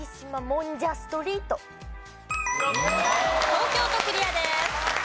東京都クリアです。